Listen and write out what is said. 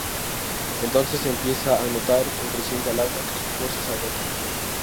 Entonces empieza a notar, con creciente alarma, que su fuerzas se agotan.